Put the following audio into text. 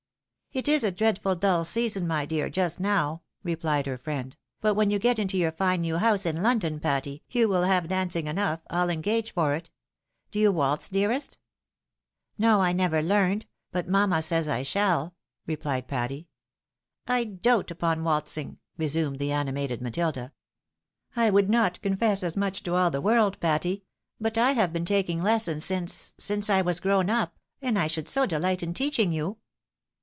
"It is a dreadful dull season, my dear, just now," replied her friend; "but when you get into your fine new house in London, Patty, you will have dancing enough, PU engage for it. Do you waltz, dearest ?"" No, I never learned— but mamma says I shall," repKed Patty. " I dote upon waltzing !" resumed the animated Matilda. " I would not confess as much to all the world, Patty ; but I have been taking lessons since — since I was grown up, and I should so dehght in teaching you